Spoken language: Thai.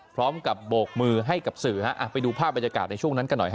พร้อมกับโบกมือให้กับสื่อฮะไปดูภาพบรรยากาศในช่วงนั้นกันหน่อยฮ